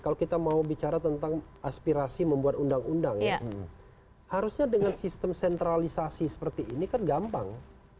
kalau kita mau bicara tentang aspirasi membuat undang undang harusnya dengan sistem sentralisasi seperti ini kan gampang